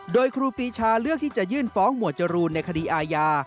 โดยครูปรีชาเลือกที่จะยื่นฟ้องหมวดจรูนในคดีอาญา